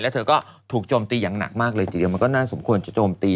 แล้วเธอก็ถูกโจมตีอย่างหนักมากเลยทีเดียวมันก็น่าสมควรจะโจมตี